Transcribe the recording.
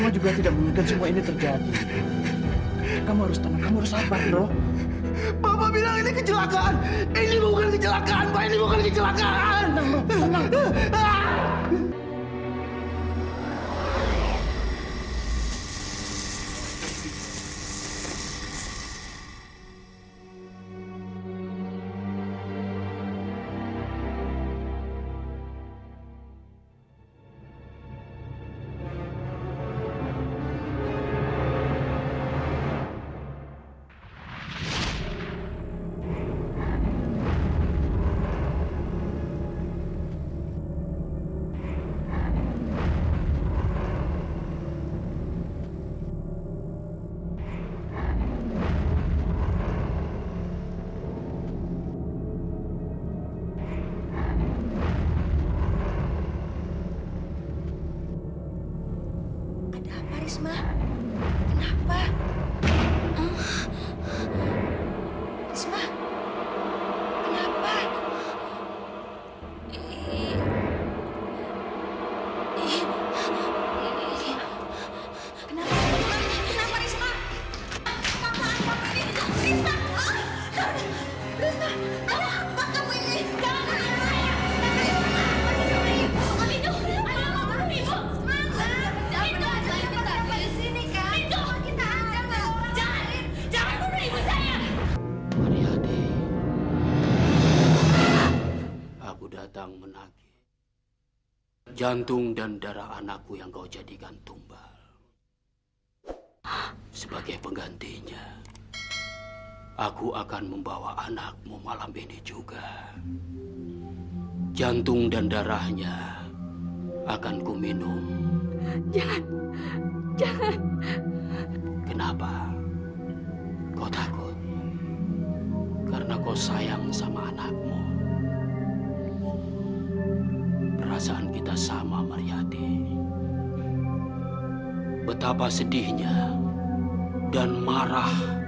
jangan lupa like share dan subscribe channel ini untuk dapat info terbaru